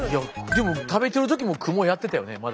でも食べてる時もクモやってたよねまだ。